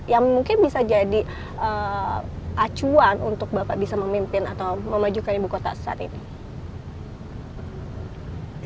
yang mungkin bisa jadi acuan untuk bapak bisa memimpin atau memajukan ibu kota saat ini